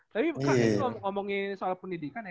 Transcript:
tapi kak itu ngomongin soal pendidikan ya